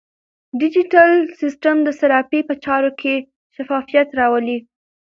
ډیجیټل سیستم د صرافۍ په چارو کې شفافیت راولي.